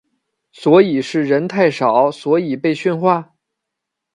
所以是人太少所以被训话？